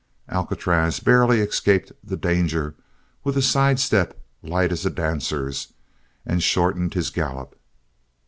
Alcatraz barely escaped the danger with a sidestep light as a dancer's and shortened his gallop.